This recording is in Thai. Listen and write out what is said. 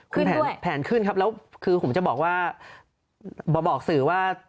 ขึ้นด้วยคุณแผนขึ้นครับแล้วคือผมจะบอกว่าบอกสื่อว่า